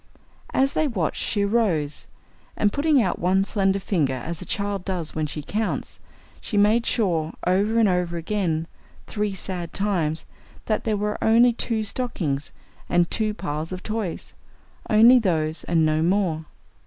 As they watched, she arose, and putting out one slender finger as a child does when she counts, she made sure over and over again three sad times that there were only two stockings and two piles of toys! Only those and no more.